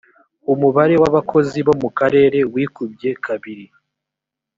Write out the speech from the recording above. umubare w abakozi bo mu karere wikubye kabiri